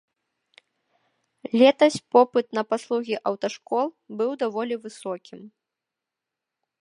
Летась попыт на паслугі аўташкол быў даволі высокім.